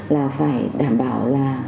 là phải đảm bảo là